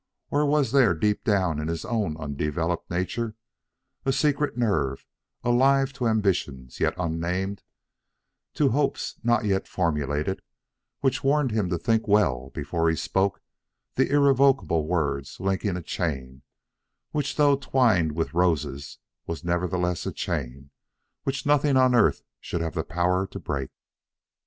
Or was there, deep down in his own undeveloped nature, a secret nerve alive to ambitions yet unnamed, to hopes not yet formulated, which warned him to think well before he spoke the irrevocable word linking a chain which, though twined with roses, was nevertheless a chain which nothing on earth should have power to break.